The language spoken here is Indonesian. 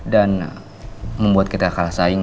dan membuat kita kalah saing